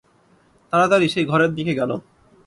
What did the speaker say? তাড়া তাড়ি সেই ঘরের দিকে গেল।